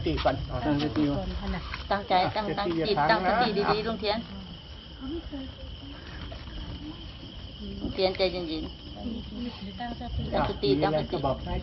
ที่สุดท้าย